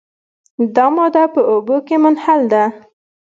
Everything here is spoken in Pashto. دا ماده په اوبو کې منحل ده.